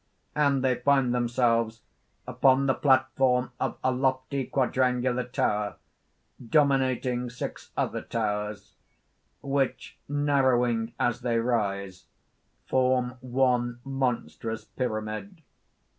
(_And they find themselves upon the platform of a lofty quadrangular tower dominating six other towers, which, narrowing as they rise, form one monstrous pyramid.